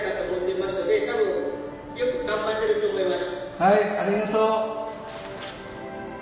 はいありがとう。